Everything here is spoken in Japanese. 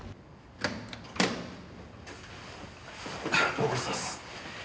ご苦労さまです。